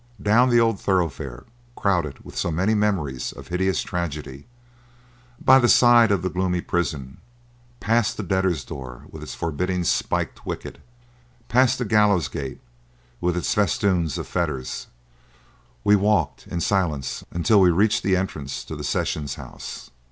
Down the old thoroughfare, crowded with so many memories of hideous tragedy; by the side of the gloomy prison; past the debtors' door with its forbidding spiked wicket; past the gallows gate with its festoons of fetters; we walked in silence until we reached the entrance to the Sessions House.